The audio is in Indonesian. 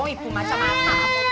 ibu macam mana